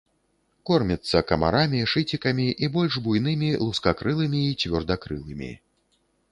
Корміцца камарамі, шыцікамі і больш буйнымі лускакрылымі і цвердакрылымі.